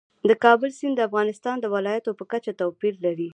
د کابل سیند د افغانستان د ولایاتو په کچه توپیر لري.